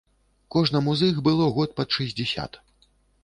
Кожнаму з іх было год пад шэсцьдзесят.